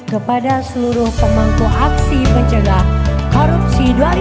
kau bisa merebut senyumku tapi